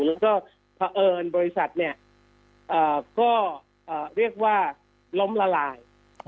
แล้วก็เพราะเอิญบริษัทเนี่ยก็เรียกว่าล้มละลาย